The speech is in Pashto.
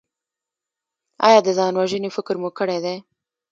ایا د ځان وژنې فکر مو کړی دی؟